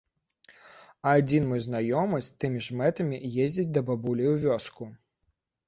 А адзін мой знаёмы з тымі ж мэтамі ездзіць да бабулі ў вёску.